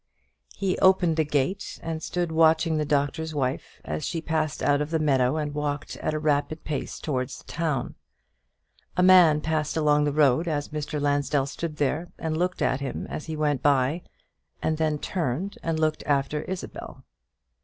He opened the gate and stood watching the Doctor's Wife as she passed out of the meadow, and walked at a rapid pace towards the town. A man passed along the road as Mr. Lansdell stood there, and looked at him as he went by, and then turned and looked after Isabel.